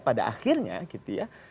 pada akhirnya gitu ya